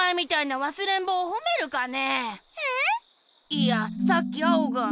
いやさっきアオが。